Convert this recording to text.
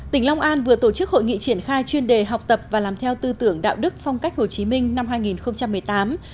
tỉnh long an vừa tổ chức hội nghị triển khai chuyên đề học tập và làm theo tư tưởng đạo đức phong cách hồ chí minh năm hai nghìn một mươi tám